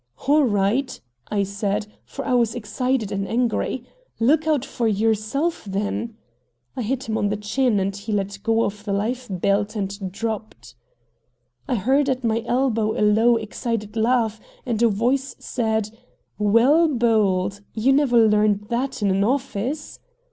"All right," I said, for I was excited and angry, "look out for YOURSELF then!" I hit him on the chin, and he let go of the life belt and dropped. I heard at my elbow a low, excited laugh, and a voice said: "Well bowled! You never learned that in an office."